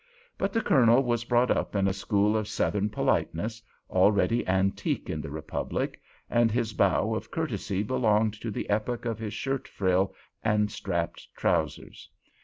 But the Colonel was brought up in a school of Southern politeness, already antique in the republic, and his bow of courtesy belonged to the epoch of his shirt frill and strapped trousers.